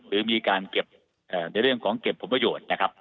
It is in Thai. หรือมีการเก็บในเรื่องของเก็บผลประโยชน์นะครับ